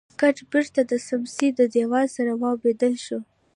ګټ بېرته د سمڅې د دېوال سره واوبدل شو.